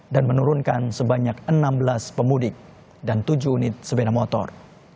dan menurunkan sebanyak enam belas pemudik dan tujuh unit sepeda motor